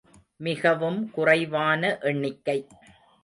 மிகவும் குறைவான எண்ணிக்கை.